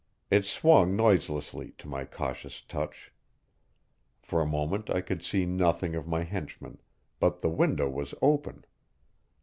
It swung noiselessly to my cautious touch. For a moment I could see nothing of my henchman, but the window was open.